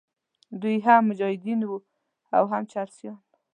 دوی هم مجاهدین وو او هم چرسیان.